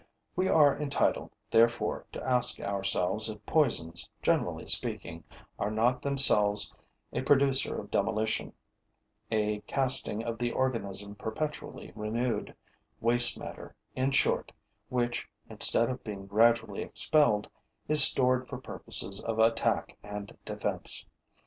We are entitled, therefore, to ask ourselves if poisons, generally speaking, are not themselves a produce of demolition, a casting of the organism perpetually renewed, waste matter, in short, which, instead of being gradually expelled, is stored for purposes of attack and defense.